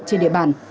trên địa bàn